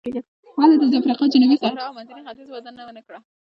ولې د افریقا جنوبي صحرا او منځني ختیځ وده ونه کړه.